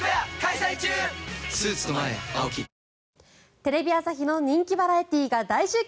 テレビ朝日の人気バラエティーが大集結！